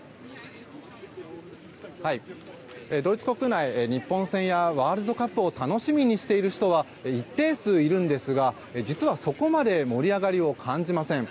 ドイツ国内日本戦やワールドカップを楽しみにしている人は一定数いるんですが実は、そこまで盛り上がりを感じません。